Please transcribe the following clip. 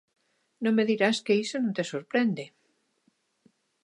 No me dirás que iso non te sorprende?